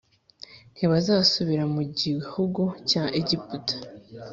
Ntibazasubira mu gihugu cya Egiputa